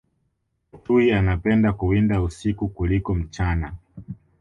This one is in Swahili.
chui anapenda kuwinda usiku kuliko mchana